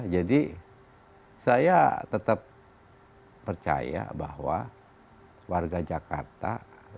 jadi saya tetap percaya bahwa warga jakarta